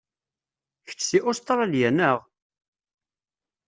Kečč si Ustṛalya, neɣ?